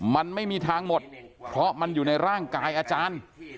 มันไม่มีทางหมดเพราะมันอยู่ในร่างกายอาจารย์